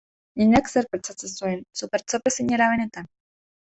Jendeak zer pentsatzen zuen, Supertxope zinela benetan?